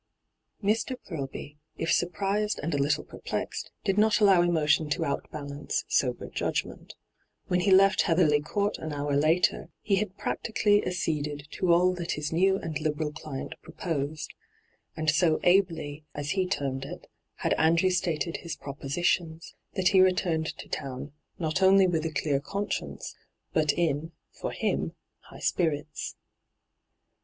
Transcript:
Mr. Purlby, if surprised and a little per plexed, did not allow emotion to outbalance sober judgment. When he left Heatherly Court an hour later, he had practicaUy acceded .^hyGoo>^lc ENTRAPPED 105 to all that his new and liberal client proposed ; and so ' ably,' as he termed it, had Andrew stated his propositions, that he returned to town not only with a clear conscience, but in, for him, high spirits.